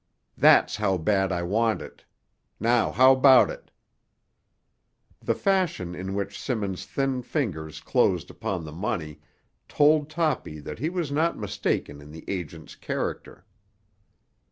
"That's how bad I want it. Now how about it?" The fashion in which Simmons' thin fingers closed upon the money told Toppy that he was not mistaken in the agent's character.